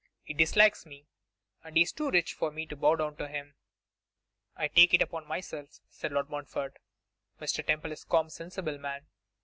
He dislikes me, and he is too rich for me to bow down to him.' 'I take it upon myself,' said Lord Montfort. 'Mr. Temple is a calm, sensible man.